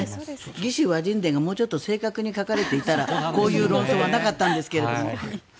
「魏志倭人伝」がもうちょっと正確に書かれていればこういう論争はなかったんですけども。